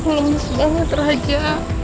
belum semangat raja